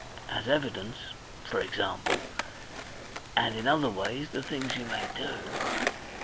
As evidence, for example! And in other ways, the things you may do..."